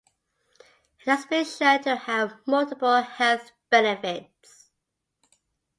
It has been shown to have multiple health benefits.